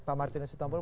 pak martin s suttampul